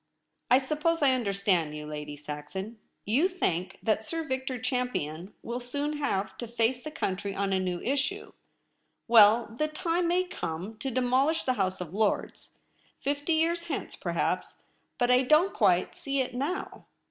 ' I suppose I understand you, Lady Saxon. You think that Sir Victor Champion will soon ] ave to face the country on a new issue. Well, the time may come to^fdemolish the House IN THE LOBBY. of Lords — fifty years hence, perhaps, but I don't quite see it now.'